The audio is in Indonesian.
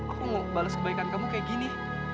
aku mau bales kebaikan kamu kayak gini